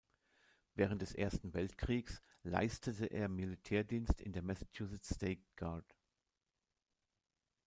Während des Ersten Weltkriegs leistete er Militärdienst in der Massachusetts State Guard.